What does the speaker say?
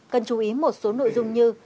cần chú ý một số nội dung như